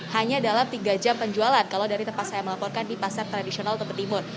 hanya dalam tiga jam penjualan kalau dari tempat saya melaporkan di pasar tradisional tempat timur